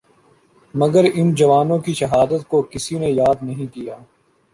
مگر ان جوانوں کی شہادت کو کسی نے یاد نہیں کیا